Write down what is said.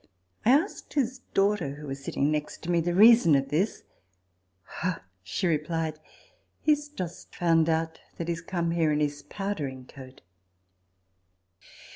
I asked his daughter, who was sitting next to me, the reason of this. " Oh," she replied, " he has just found out that he has come here in his powdering coat."